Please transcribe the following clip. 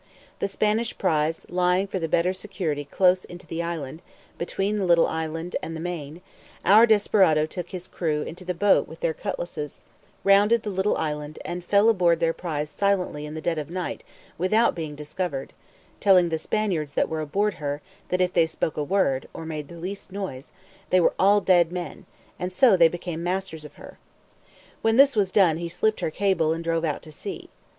The Spanish prize lying for better security close into the land, between the little island and the Main, our desperado took his crew into the boat with their cutlasses, rounded the little island, and fell aboard their prize silently in the dead of the night without being discovered, telling the Spaniards that were aboard her, that if they spoke a word, or made the least noise, they were all dead men; and so they became masters of her. When this was done he slipped her cable, and drove out to sea.